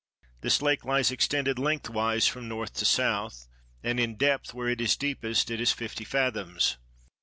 The lake lies extended lengthwise from North to South, and in depth where it is deepest it is fifty fathoms.